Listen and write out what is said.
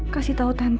kasih tau tante